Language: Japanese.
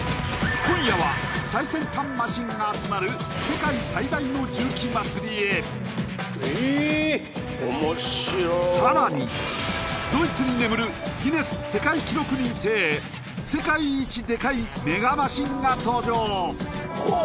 今夜は最先端マシンが集まる世界最大の重機祭りへさらにドイツに眠るギネス世界記録認定世界一デカいメガマシンが登場ほう！